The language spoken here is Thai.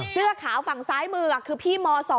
เสื้อขาวฝั่งซ้ายมือคือพี่ม๒